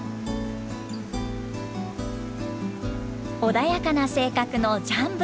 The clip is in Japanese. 穏やかな性格のジャンブイ。